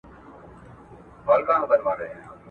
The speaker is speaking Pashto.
تاسي تل د ژوند په هره برخه کي پوره بریا لرئ.